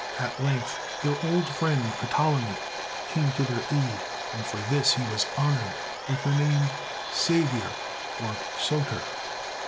At length, their old friend Ptolemy came to their aid, and for this he was honoured with the name Saviour or Soter.